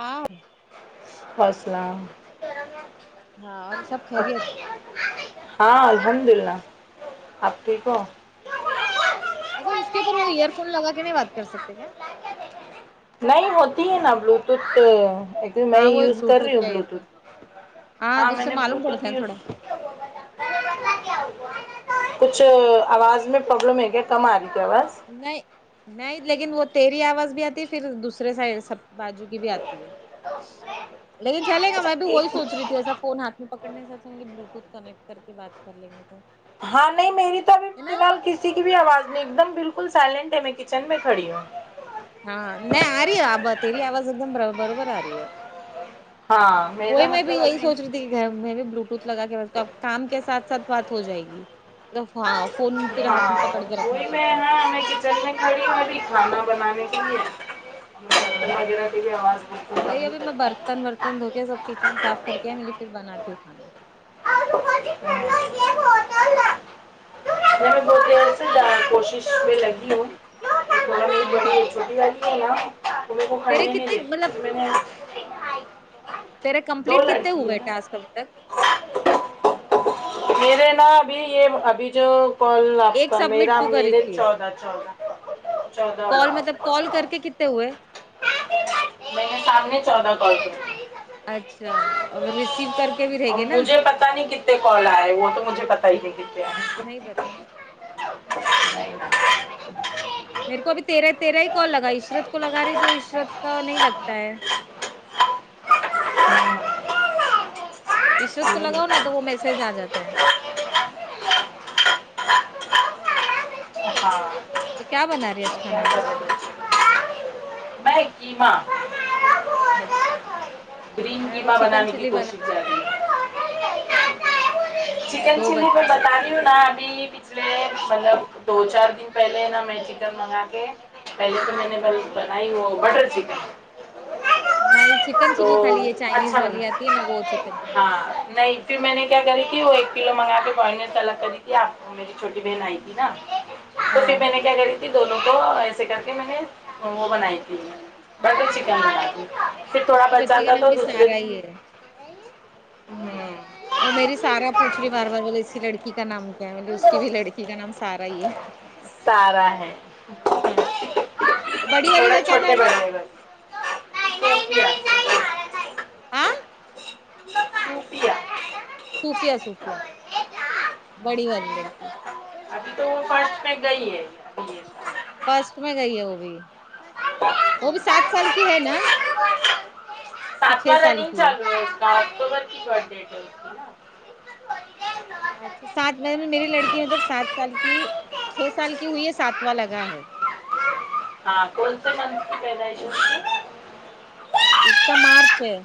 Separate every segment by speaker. Speaker 1: ہاں
Speaker 2: وسلام
Speaker 1: ہاں اور سب خیریت
Speaker 2: ہاں الحمد للہ آپ ٹھیک ہو
Speaker 1: اچھا اسکے اوپر وہ ایئر فون لگا کے نہیں بات کر سکتے کیا
Speaker 2: نہیں ہوتی ہے نا بلوٹوتھ پے میں
Speaker 1: ہاں وہ
Speaker 2: یوز کر رہی
Speaker 1: بلوٹوتھ
Speaker 2: ہوں
Speaker 1: یا ایئر فون
Speaker 2: بلوٹوتھ ہاں
Speaker 1: تو اس
Speaker 2: میں
Speaker 1: سے
Speaker 2: نے
Speaker 1: معلوم
Speaker 2: بلوٹوتھ
Speaker 1: پڑتا ہے تھوڑا
Speaker 2: یوز کچھ آواز میں پرابلم ہے کیا کم آری کیا آواز
Speaker 1: نہیں نہیں لیکن وہ تیری آواز بھی آتی ہے پھر دوسرے سایڈ سب باجو کی بھی آتی ہے لیکن چلیگا
Speaker 2: اچھا
Speaker 1: مت وہی
Speaker 2: ایک
Speaker 1: سوچ رہی تھی ایسا فون ہاتھ میں پکڑنے سے اچھا بلوٹوتھ کنیکٹ کر کے بات کر لیں گے تو
Speaker 2: ہاں نہیں میری تو ابھی
Speaker 1: نا
Speaker 2: فلحال کسی کی بھی آواز نہیں ایک دم بالکل سائلنٹ ہے میں کچن میں کھڈی ہوں
Speaker 1: ہاں نہیں آ رہی ہے آبا تیرے آواز ایک دم برابر آ رہی ہے
Speaker 2: ہاں
Speaker 1: وہی
Speaker 2: میرا
Speaker 1: میں بھی
Speaker 2: مطلب
Speaker 1: یہی
Speaker 2: ابھی
Speaker 1: سوچ رہی گھر میں بھی بلوٹوتھ لگا کے رہے تو کام کے ساتھ ساتھ بات ہو جائے گی تو فا فون پھر ہاتھ میں
Speaker 2: ہاں
Speaker 1: پکڑ کے رکھنا
Speaker 2: وہی
Speaker 1: پڑتا
Speaker 2: میں
Speaker 1: ہے پھر
Speaker 2: ہاں میں کچن میں کھڑی میں بھی کھانا بنانے کے
Speaker 1: ہاں
Speaker 2: لیے وغیرہ کے لیے
Speaker 1: وہی ابھی میں برتن ورتن دھو کے سب کچن صاف کر کے میں پھر بناتی ہوں کھانا
Speaker 2: [unintelligible] میں بہت دیر سے جا کوشش میں لگی ہوں تھوڑا
Speaker 1: ا [unintelligible]
Speaker 2: چولے کو کھڑنے نہیں دیتی پھر میں نے
Speaker 1: تیرے
Speaker 2: دو
Speaker 1: کمپلیٹ کتے
Speaker 2: لڑکی ہے
Speaker 1: ہوئے
Speaker 2: نا
Speaker 1: ٹاسک ابھی تک
Speaker 2: میرے نا ابھی یہ ابھی جو کال
Speaker 1: ایک
Speaker 2: لابتا
Speaker 1: سبمٹ
Speaker 2: میرا
Speaker 1: تو کری
Speaker 2: میرے
Speaker 1: تھی
Speaker 2: چودہ چودہ چودہ
Speaker 1: کال مطلب کال کر کے کتنے ہوئے
Speaker 2: میں نے شام میں چودہ کال کیا
Speaker 1: اچھا اور وہ ریسیو کر کے بھی رہ گی نا
Speaker 2: اتے کال آئے وہ تو مجھے پتہ ہی نہیں کتے آئے
Speaker 1: نہیں پتہ اچھا میرے کو ابی تیرہ تیرہ ہی کال لگا عشرت کو لگا رہی تو عشرت کا نہیں لگتا ہے عشرت کو لگاؤ نا تو وہ میسج آجاتا ہے
Speaker 2: ہاں
Speaker 1: تو کیا بنا رہی ہے آج کھانا
Speaker 2: میں کیما
Speaker 1: اچھا
Speaker 2: گرین
Speaker 1: وہ
Speaker 2: کیمہ
Speaker 1: چکن
Speaker 2: بنانے کی کوشش جاری ہے
Speaker 1: ہاں ہے
Speaker 2: چکن
Speaker 1: دو
Speaker 2: چلی پہ
Speaker 1: بچہ ہے
Speaker 2: بتا رہی نا ابھی پچھلے ملب دو چار دن پہلے نا میں چکن منگا کے پہلے تو میں نے بل آئی وہ بٹر چکن
Speaker 1: نہیں چکن
Speaker 2: تو
Speaker 1: چللی کھالی یہ چائنیز
Speaker 2: اچھا بنا
Speaker 1: والی آتی ہے ن وہ چکن چللی
Speaker 2: ہاں نہیں پھر میں نے کیا کری تھی وہ ایک کلو منگا کے بوینس الگ کری تھی آپ میری چھوٹی بہن آئی تھی نا تو پھر
Speaker 1: ہاں
Speaker 2: میں نے کیا کری تھی دونوں کو ایسے کر کے میں نے بنائی بٹر چکن بناتی پھر
Speaker 1: اس
Speaker 2: تھوڑا
Speaker 1: کی
Speaker 2: بچا
Speaker 1: بچی کا
Speaker 2: تھا
Speaker 1: نام
Speaker 2: تو
Speaker 1: بھی
Speaker 2: دوسرے
Speaker 1: سارا
Speaker 2: دن
Speaker 1: ہی ہے
Speaker 2: ہوں
Speaker 1: وہ میری سارا پوچھ رہی بار بار بے اس کی لڑکی کا نام کیا ہے میں بولی اس کی بھی لڑکی کی کا نام سارا ہی ہے
Speaker 2: سارا ہے
Speaker 1: ہاں بڑی والی
Speaker 2: تھوڑے
Speaker 1: کا کیا
Speaker 2: چھوٹے
Speaker 1: نام ہے
Speaker 2: بننے لگے
Speaker 1: ہاں
Speaker 2: روپیہ
Speaker 1: صوفیہ صوفیہ بڑی والی لڑکی
Speaker 2: ابھی تو وہ فرسٹ پہ گئی ہے ابھی یہ
Speaker 1: فرسٹ میں گئی ہے وہ بھی
Speaker 2: سب۔
Speaker 1: وہ بھی سات سال کی ہے نا کے چھ سال کی ہے
Speaker 2: اکٹوبر کی بڈ ڈیٹ ہیں اسکی نہ
Speaker 1: اچھا سات میں میری لڑکی مطلب سات سال کی چھ سال کی ہوئی ہے ساتواں لگا ہے
Speaker 2: ہاں کونسے منتھ کی پیداش اسکی
Speaker 1: اس کا مارچ ہے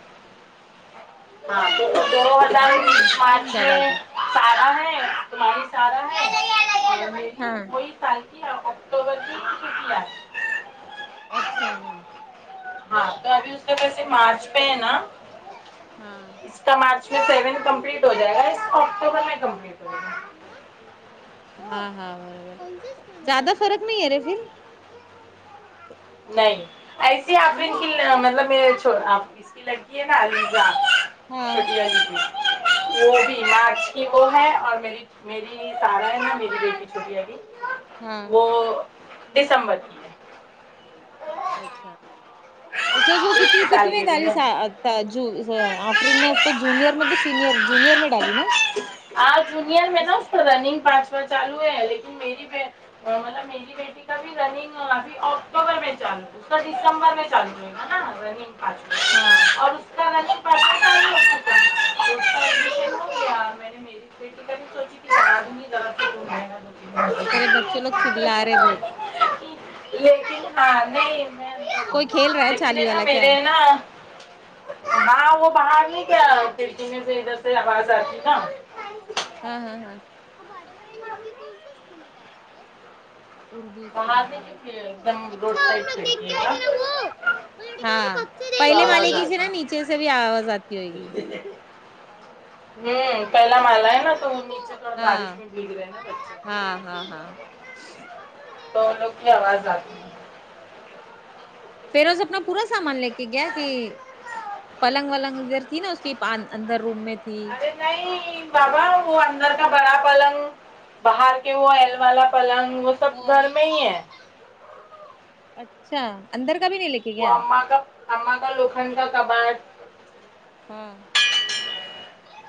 Speaker 2: ہاں تو دو ہزار
Speaker 1: بل
Speaker 2: انیس مارچ
Speaker 1: دم دبادی
Speaker 2: سارا ہے تماری سارہ ہے وہ میری
Speaker 1: ہاں
Speaker 2: وہی سال کی اکٹوبر کی سوشیلا ہے
Speaker 1: اچھا ہاں
Speaker 2: ہاں تو ابھی اس کا پیسے مارچ پہ ہے نا
Speaker 1: ہاں
Speaker 2: اس کا مارچ میں سیونتھ کمپلیٹ ہو جائے گا اس اکتوبر میں کمپلیٹ ہوائے
Speaker 1: ہاں ہاں برابر زیادہ فرق نہیں ہے رے پھر
Speaker 2: نہیں ایسی ہی
Speaker 1: ہے
Speaker 2: آپ نے ان
Speaker 1: نا
Speaker 2: کی مطلب اس کی لڑکی ہے نا علیزا
Speaker 1: ہاں
Speaker 2: شکہ جی وہ بھی مارچ کی وہ ہے اور میری میری سارا ہے نا میری بیٹی چھٹی والی
Speaker 1: ہاں
Speaker 2: وہ دسمبر کی ہے
Speaker 1: اچھا اس
Speaker 2: ایک ہی سال
Speaker 1: کتنی میں
Speaker 2: کے دونوں
Speaker 1: دالی آفرین نے اس کو جونئر میں سینئر جونئر میں ڈالی نا
Speaker 2: آ جونئر میں
Speaker 1: اس
Speaker 2: نا رننگ پاس چالو ہے ہے لیکن میری مطلب میری بیٹی کا بھی رننگ کافی آف اکتوبر میں چالو ہے تو دسمبر میں چالو رہے گا نا رننگ پچ
Speaker 1: ہاں
Speaker 2: اور اس [inaudible] [inaudible] دو تین
Speaker 1: تیرے بچے لوگ چلا رہے بہت
Speaker 2: مہینے لیکن ہاں نہیں میں
Speaker 1: کوئی کھیل رہا ہے
Speaker 2: لیکن
Speaker 1: چالی
Speaker 2: نہ
Speaker 1: والا کیا
Speaker 2: میرے نا ہاں وہ باہر نہیں گیا کھڑکی میں سے ادھر سے آواز آتی نا
Speaker 1: ہاں ہاں ہاں لک اردو اسکول
Speaker 2: وہاں
Speaker 1: میں
Speaker 2: ایک دم روڈ سائڈ پھینک یہ گا
Speaker 1: وہ ہاں پہلے مالے کی سے نا
Speaker 2: ہوں
Speaker 1: نیچے سے بھی آواز آتی ہوئے گی
Speaker 2: ہوں پہلا مالا ہے نا تو وہ نیچے کی
Speaker 1: ہاں
Speaker 2: بارش میں بھیگ رہے نا
Speaker 1: ہاں ہاں ہاں
Speaker 2: بچے تو لوگ کی آواز آتی ہے
Speaker 1: پھر اس اپنا پورا سامان لے کے گیا کہ پلنگ ولنگ ادھر تھی نا اس کی اندر روم میں تھی
Speaker 2: نہیں بابا وہ اندر کا بڑا پلنگ باہر کے وہ ایل والا پلنگ سب
Speaker 1: ہاں
Speaker 2: گھر میں ہی ہے
Speaker 1: اچھا اندر کا بھی نہیں لکھ
Speaker 2: وہ اما کا اما کا لوکھن کا کبار
Speaker 1: ہاں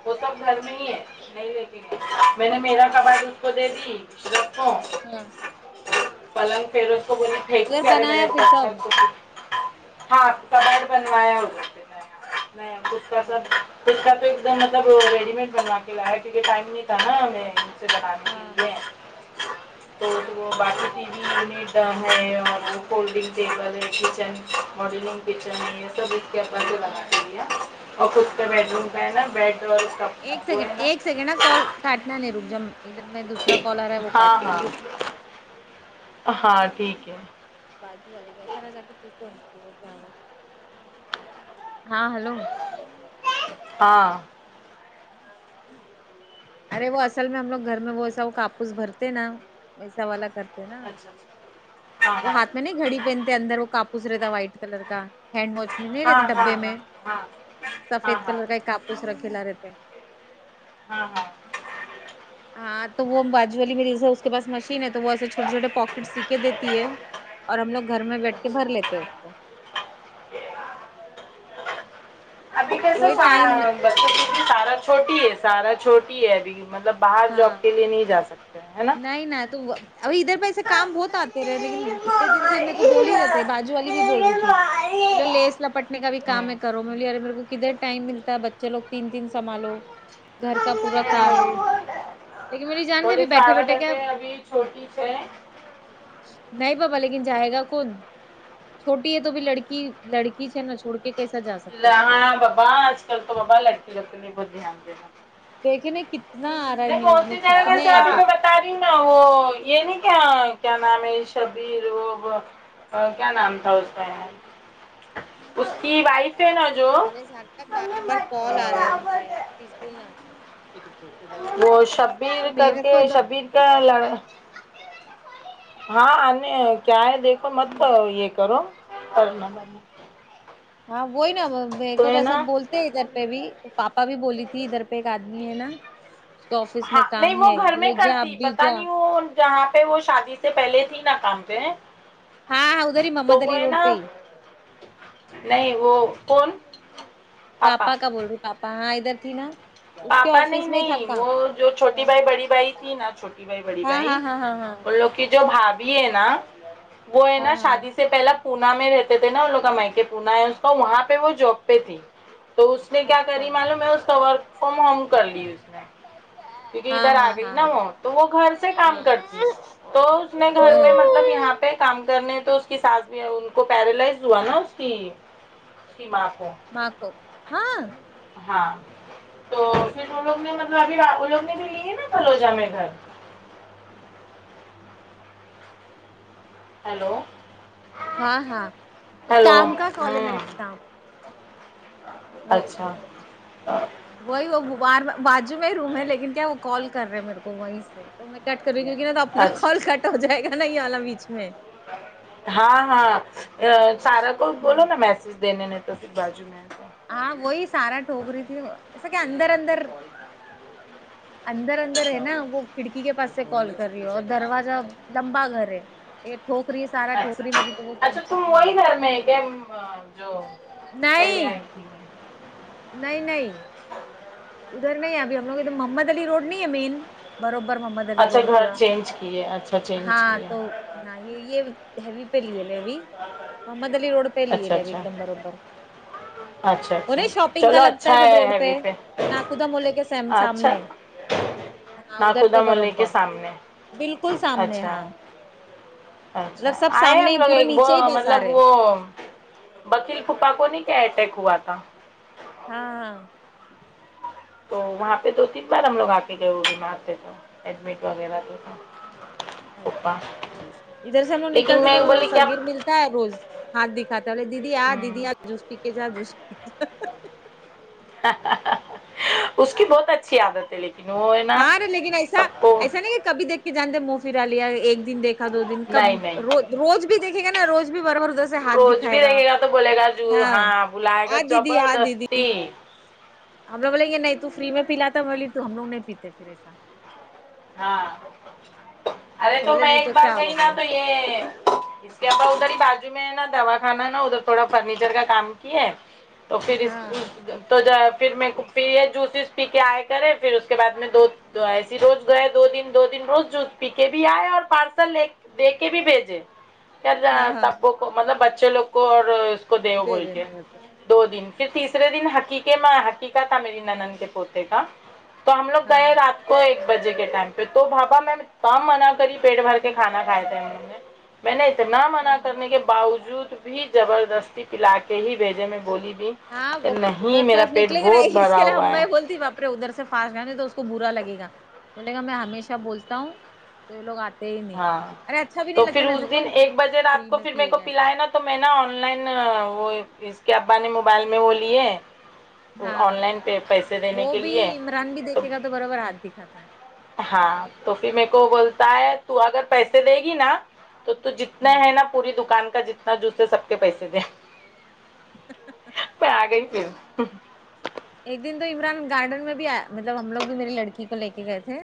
Speaker 2: وہ سب گھر میں ہی ہے نہیں لے میں نے میرا کباڑ اس کو دے دی اشرف کو
Speaker 1: ہاں
Speaker 2: پلنگ پھر اس کو
Speaker 1: اچھا
Speaker 2: بولی پھینکو
Speaker 1: ادھر
Speaker 2: کیا رہے میرے
Speaker 1: بنایا پھر
Speaker 2: اچھا
Speaker 1: سب
Speaker 2: کچھ ہاں
Speaker 1: ہاں
Speaker 2: [unintelligible] ا مطلب ریڈی مڈ بنوا کے لایا کیونکہ ٹائم نہیں تھا نا ہم
Speaker 1: ہاں
Speaker 2: [unintelligible] تو باقی ٹی وی یونٹ ہے اور کولڈ ڈنگ ٹیبل ہے کچن ماڈلنگ کچن میں یہ سب اس کے اوپر سے لگا
Speaker 1: ہاں
Speaker 2: کے دیا اور خود کا بیڈ روم کا ہے نا بیڈ اور کا
Speaker 1: ایک
Speaker 2: وہ
Speaker 1: سیکنڈ
Speaker 2: ہے
Speaker 1: ایک سیکنڈ نا کال کاٹنا نہیں رک جب ادھر میں دوسرا کال ارہا ہے وہ کاٹ
Speaker 2: ہاں ہاں
Speaker 1: رک
Speaker 2: ہاں ٹھیک ہے
Speaker 1: بازی والی گسارا جا کے پوچھ تو وہ کیا ہوا ہاں ہیلو
Speaker 2: ہاں
Speaker 1: ارے وہ اصل میں ہم لگ گھر میں وہ ایسا وہ کاپوس بھرتے نا ویسا والا کرتے ا
Speaker 2: اچھا اچھا، ہاں
Speaker 1: وہ ہاتھ میں نہیں گھڑی پہنتے اندر وہ کاپوس رہتا وائٹ کلر کا ہینڈ واچ میں نہیں
Speaker 2: ہاں
Speaker 1: رہتے
Speaker 2: ہاں
Speaker 1: ڈبے
Speaker 2: ہاں
Speaker 1: میں
Speaker 2: ہاں ہاں ہاں
Speaker 1: سفید
Speaker 2: ہاں
Speaker 1: کلر کا ایک کاپوس رکھے لا رہتے
Speaker 2: ہاں ہاں
Speaker 1: ہاں تو وہ باجو والی میریز اس کے پاس مشین ہے تو وہ ایسے چھوٹے چھوٹے پواکٹ سیکھ کے دیتی ہے اور ہم لوگ گھر میں بیٹھ کے بھر
Speaker 2: اچھا
Speaker 1: لیتے ہیں اس کو
Speaker 2: ابھی کیسے
Speaker 1: تو یہ ٹائم
Speaker 2: کی سارا چھوٹی ہے سارا چھوٹی ہے ابھی مطلب باہر جاب
Speaker 1: ہاں
Speaker 2: کے لیے نہیں جا سکتے ہے نا
Speaker 1: نہیں ن تو اب ادھر پہ ایسے کام بہت آتے رہے لیکن اتنے دن سے میر کو بول ہی رہے تھے باجو والی بھی بول رہی تھی لیس لپٹنے کا بھی کام ہے کرو مے میرے کو کدھر ٹائم ملتا ہے بچے لو تین تین سمھالو گھر کا پورا کام لیکن مے جانتے
Speaker 2: تھوڑی
Speaker 1: بھی بیٹھے
Speaker 2: سارا
Speaker 1: بیٹھے کیا
Speaker 2: جیسے ابھی چھوٹی ہے
Speaker 1: نہیں بابا لیکن جائے گا کون چھوٹی ہے تو بھی لڑکی لڑکی ہے نا چھوڑ کے کیسا جا سکتا ہے
Speaker 2: لا
Speaker 1: اس کو
Speaker 2: ہاں بابا آج کل تو بابا لڑکی لکوں نے بہت دھیان دینا
Speaker 1: دیکھے نے کن
Speaker 2: نہیں کون سی جگہ جیسے ابھی میں بتا رہی ہوں نا وہ یہ نہیں کیا کیا نام ہے یہ شبیر وہ کیا نام تھا اس کا یہ اس کی وائف ہے نا جو
Speaker 1: ارے پسکول نا توھوک
Speaker 2: وہ شبیر کر کے شبیر کیا لڑ ہاں کیا ہے دیکھو مت یہ کرو اور
Speaker 1: ہاں وہی نا مے کو تو
Speaker 2: ہے
Speaker 1: ایسا
Speaker 2: نا
Speaker 1: بول نے ادھر پہ بھی پاپا بھی بولی تھی ادھر پہ ایک آدمی ہے نا اس کے آفس
Speaker 2: ہاں
Speaker 1: میں
Speaker 2: نہیں
Speaker 1: کام
Speaker 2: وہ
Speaker 1: ہے
Speaker 2: گھر
Speaker 1: بولے
Speaker 2: میں
Speaker 1: جا
Speaker 2: کرتی
Speaker 1: ابھی
Speaker 2: پتا
Speaker 1: جا
Speaker 2: نہیں وہ جہاں پہ وہ شادی سے پہلے تھی نا کام پہ
Speaker 1: ہاں ہاں ادھر ہی
Speaker 2: تو
Speaker 1: محمد
Speaker 2: وہ
Speaker 1: علی
Speaker 2: ہے
Speaker 1: روڈ
Speaker 2: نا
Speaker 1: پہ ہی
Speaker 2: نہیں وہ کون
Speaker 1: پاپا کا بول ریوں پاپا ہاں ادھر تھی نا اس کے
Speaker 2: پاپا نہیں
Speaker 1: آفس میں ہی تھا
Speaker 2: نہیں
Speaker 1: کام
Speaker 2: وہ جو چھوٹی بھائی بڑی بھائی تھی نا چھوٹی بھائی بڑی
Speaker 1: ہاں
Speaker 2: بھائی
Speaker 1: ہاں ہاں ہاں ہاں
Speaker 2: ان لوگ کہ جو بھابھی ہے نا وہ ہے نا
Speaker 1: ہاں
Speaker 2: شادی
Speaker 1: ہاں
Speaker 2: اسے پہلا پونا میں رہتے تھے نا ان لوگ کا مائکے پونا ہے اس کا وہاں پہ وہ جاب پہ تھی تو اس نے کیا کری
Speaker 1: اچھا
Speaker 2: معلوم ہے اس کا ورک فرم ہوم کر لی اس نے کیونکہ
Speaker 1: ہاں
Speaker 2: ادھر آ
Speaker 1: ہاں
Speaker 2: گئی نا
Speaker 1: ہاں
Speaker 2: وہ تو وہ گھر سے کام
Speaker 1: ہاں
Speaker 2: کرتی تو اس نے گھر
Speaker 1: ہاں
Speaker 2: میں مطلب یہاں پہ کام کرنے تو اس کی ساس بھی ان کو پیرالائز ہوا نا اس کی اسکی ماں کو
Speaker 1: ماں کو ہاں
Speaker 2: ہاں تو پھر وہ لوگ نے مطلب ابھی وہ لوگ نے بھی لی ہے نا فلوجہ میں گھر ہیلو
Speaker 1: ہاں ہاں
Speaker 2: ہیلو
Speaker 1: کام کا کال ہے
Speaker 2: ہوں
Speaker 1: میرے کام وہ
Speaker 2: اچھا
Speaker 1: وہی وہ بارا باجو میں ہی روم ہے لیکن کیا وہ کال کر رہے ہیں میرے کو وہیں سے تو میں کٹ کر رہی کیونکہ نا تو اپنا کال
Speaker 2: اچھا
Speaker 1: کٹ ہو جائے گا نا یہ والا بیچ میں
Speaker 2: ہاں ہاں آ سارا کو بولو
Speaker 1: وہی
Speaker 2: نا میسج دینے نے رفیق باجو میں ہے
Speaker 1: ہاں وہی سارا ٹھوک رہی تھی ایسا کہ اندر اندر اندر اندر ہے نا وہ کھڑکی کے پاس سے کال کر رہی ہو اور دروازہ لمبا گھر ہے یہ ٹھوکری ہے سارا
Speaker 2: اچھا
Speaker 1: ٹھوکری میری تو وہ
Speaker 2: اچھا
Speaker 1: سنتی
Speaker 2: تم وہی
Speaker 1: نہیں
Speaker 2: گھر میں ہے کہ امم جو پہلے
Speaker 1: نہیں
Speaker 2: آئی تھی
Speaker 1: نہیں نہیں ادھر نہیں ہے ابھی ہم لوگ ادھر محمد علی روڈ نہیں ہے مین بروبر محمد علی
Speaker 2: اچھا
Speaker 1: روڈ
Speaker 2: گھر
Speaker 1: پورا
Speaker 2: چینج کیے اچھا چینج
Speaker 1: ہاں
Speaker 2: کیے
Speaker 1: تو ہاں یہ یہ ہیوی پہ لیے لےوی محمد علی روڈ پہ لیے
Speaker 2: اچھا
Speaker 1: ڈےوی
Speaker 2: اچھا
Speaker 1: کے بروبر
Speaker 2: اچھا
Speaker 1: وہ
Speaker 2: اچھا
Speaker 1: نہیں
Speaker 2: اچھا
Speaker 1: شاپنگ کا
Speaker 2: چلو
Speaker 1: لگتا
Speaker 2: اچھا
Speaker 1: ہے سب روڈ پہ
Speaker 2: ہیوی
Speaker 1: نا خدا مولے کے سیم
Speaker 2: اچھا
Speaker 1: سامنے ہاں ادھر پہ
Speaker 2: ناخدا ملے کے
Speaker 1: بروبر
Speaker 2: سامنے
Speaker 1: بالکل سامنے
Speaker 2: اچھا
Speaker 1: ہاں
Speaker 2: اچھا
Speaker 1: مطلب سب
Speaker 2: آئے ہیں ہم
Speaker 1: سامنے
Speaker 2: لوگ
Speaker 1: پورے
Speaker 2: ایک وہ
Speaker 1: نیچے ہی
Speaker 2: مطلب
Speaker 1: بازار ہے
Speaker 2: وہ وکیل پھپا کو نہیں کیا اٹیک ہوا تھا
Speaker 1: ہاں ہاں
Speaker 2: تو وہاں پہ دو تین بار ہم لوگ آ کے گئے ہوئے بیمار تھے ایڈمٹ وغیرہ تو تھا پھپا
Speaker 1: ادھر سے ہم لوگ
Speaker 2: لیکن
Speaker 1: نکلتے تو
Speaker 2: میں
Speaker 1: ادھر
Speaker 2: بولی
Speaker 1: سے
Speaker 2: کیا
Speaker 1: سگیر ملتا ہے روز ہاتھ دکھاتا دیدی آ
Speaker 2: ہوں
Speaker 1: دیدی آ جوس پی کے جا جوس پی کے جا
Speaker 2: اس کی بہت اچھی عادت ہے لیکن وہ ہے نا
Speaker 1: ہاں ارے لیکن ایسا
Speaker 2: سب کو
Speaker 1: ایسا کہ کبھی دیکت جانتے منہ فرا لیا ایک دن دیکھا دو دن کب
Speaker 2: نہیں نہیں
Speaker 1: رو روز بھی دیکھے گا نا روز بھی بروبر دس سے ہاتھ
Speaker 2: روز
Speaker 1: دکھائے
Speaker 2: بھی
Speaker 1: گا
Speaker 2: رہے تو بولے گا جو
Speaker 1: ہاں
Speaker 2: بلائے گا
Speaker 1: آ دیدی آ دیدی
Speaker 2: زبردستی
Speaker 1: ہم لوگ بولے یہ نہیں تو فری میں پیلا تا بولی تو ہم لوگ نہیں پیتے پھر ایسا
Speaker 2: ہاں ارے تو
Speaker 1: بولے
Speaker 2: میں
Speaker 1: نہیں
Speaker 2: ایک بار
Speaker 1: کیا
Speaker 2: گئی
Speaker 1: ہوا
Speaker 2: نا
Speaker 1: بولے
Speaker 2: تو زیادہ ادھر ہی بازو میں ہے نا دوا خانا نا ادھر تھوڑا فرنیچر کا کام کی ہے تو پھر اس
Speaker 1: ہاں
Speaker 2: تو جو ہے پھر میں پھر یہ جوسز پی کے آئے کرے پھر اس کے بعد میں دو ایسی روز جو ہے دو دن دو دن روز جوس پی کے بھی آئے اور پارسل لے دے کے بھی بھیجے ا
Speaker 1: ہاں ہاں
Speaker 2: جاتبو کو مطلب بچے لوگ کو اور اس کو دیو
Speaker 1: دے
Speaker 2: بول کے
Speaker 1: دینا گھر پہ
Speaker 2: دو دن پھر تیسرے دن حقیقے میں حقیقہ تھا میری نند کے پوتے کا تو ہم لوگ
Speaker 1: ہاں
Speaker 2: گئے رات کو ایک ایک بجے کے ٹائم پہ پیٹ بھر کے کھانا کھایا تھا میں نے اتنا منع
Speaker 1: ہاں
Speaker 2: کرنے کے باوجود بھی زبردستی پلا کے ہی بھیجے میں بولی بھی
Speaker 1: ہاں
Speaker 2: کہ
Speaker 1: وہ
Speaker 2: نہیں
Speaker 1: ادھر
Speaker 2: میرا
Speaker 1: طرف
Speaker 2: پیٹ
Speaker 1: نکلیں گے
Speaker 2: بہت
Speaker 1: نہیں اس
Speaker 2: بھرا
Speaker 1: کے لیے
Speaker 2: ہوا
Speaker 1: ہم
Speaker 2: ہے
Speaker 1: بائی بولتی باپ ادھر سے فاس گئے نہیں تو اس کو برا لگے گا بولے گا میں ہمیشہ بولتا ہوں یہ لوگ آتے ہی نہیں
Speaker 2: ہاں
Speaker 1: ارے اچھا بھی نہیں
Speaker 2: تو
Speaker 1: لگتا
Speaker 2: پھر
Speaker 1: نا ایسا
Speaker 2: اس دن
Speaker 1: کون سی
Speaker 2: ایک بجے رات
Speaker 1: فری
Speaker 2: کو
Speaker 1: میں
Speaker 2: پھر میرے
Speaker 1: پیے
Speaker 2: کو
Speaker 1: گا ایسا
Speaker 2: پلائے نا تو میں نا آن لائن وہ اس کے ابا نے موبائل میں وہ لیے ہیں آن لائن پہ پیسے دینے کے لیے
Speaker 1: رن بھی دیکھے گا تو برابر ہاتھ دکھاتا
Speaker 2: ہاں تو پھر میکو بولتا ہے تو اگر پیسے دے گی نا تو تو جتنا
Speaker 1: ہاں
Speaker 2: ہے نا پوری دکان کا جتنا جوس ہے سب کے پیسے دے پہ آگئی پھر
Speaker 1: ایک دن تو عمران گارڈن میں بھی آیا مطلب ہم لوگ بھی میری لڑکی کو لے کے گئے تھے